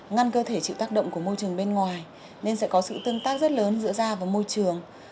ngăn cơ thể chịu tác động của môi trường bên ngoài nên sẽ có sự tương tác rất lớn giữa da và môi trường